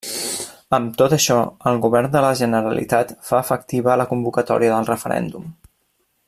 Amb tot això, el Govern de la Generalitat fa efectiva la convocatòria del referèndum.